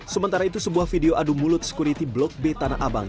sementara itu sebuah video adu mulut sekuriti blok b tanah abang